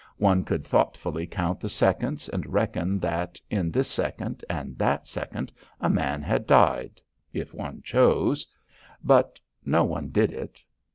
One could thoughtfully count the seconds and reckon that, in this second and that second, a man had died if one chose. But no one did it.